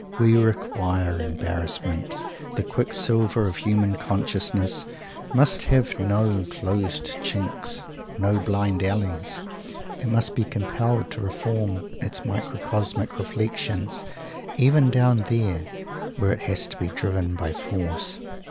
We require embarrassment. The quicksilver of human consciousness must have no closed chinks, no blind alleys. It must be compelled to reform its microcosmic reflections, even down there, where it has to be driven by force.